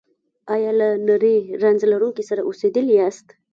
ایا له نري رنځ لرونکي سره اوسیدلي یاست؟